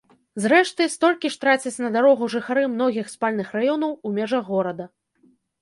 Зрэшты, столькі ж трацяць на дарогу жыхары многіх спальных раёнаў у межах горада.